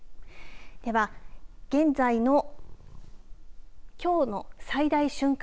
では現在のきょうの最大瞬間